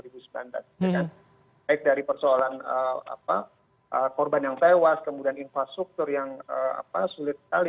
baik dari persoalan korban yang tewas kemudian infrastruktur yang sulit sekali